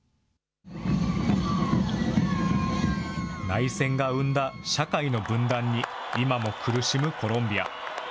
内戦が生んだ社会の分断に、今も苦しむコロンビア。